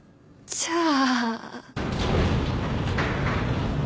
じゃあ。